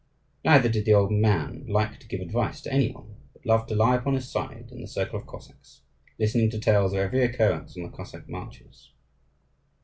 Neither did the old man like to give advice to any one; but loved to lie upon his side in the circle of Cossacks, listening to tales of every occurrence on the Cossack marches.